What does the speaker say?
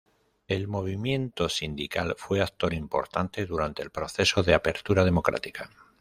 El movimiento sindical fue actor importante durante el proceso de Apertura Democrática.